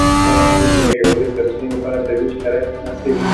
په افغانستان کې د ژورې سرچینې لپاره طبیعي شرایط مناسب دي.